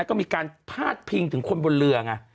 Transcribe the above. ก็มีการพาดพิงถึงคนบนเรือไง